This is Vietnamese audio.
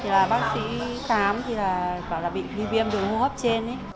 thì bác sĩ khám thì bảo là bị viêm đường hô hấp trên